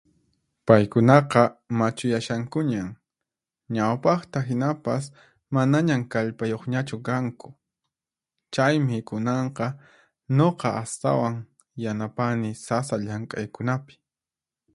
Paykunaqa machuyashankuñan, ñawpaqta hinapas manañan kallpayuqñachu kanku. Chaymi kunanqa nuqa astawan yanapani sasa llank'aykunapi.